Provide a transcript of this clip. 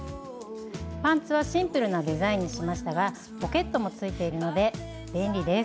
パンツはシンプルなデザインにしましたがポケットもついているので便利です。